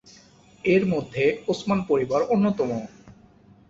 এর মধ্যে উসমান পরিবার অন্যতম।